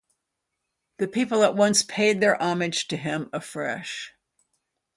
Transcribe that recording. The people at once paid their homage to him afresh.